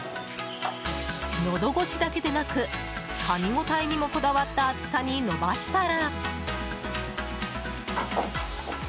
のど越しだけでなくかみ応えにもこだわった厚さに伸ばしたら。